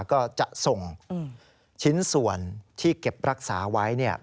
ก็จะส่งชิ้นส่วนที่เก็บรักษาไว้